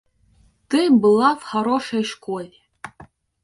Ты была в хорошей школе.